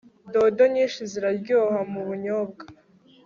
dodo nyinshi ziraryoha mubunyobwa